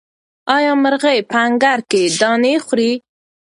آیا مرغۍ په انګړ کې دانې خوري؟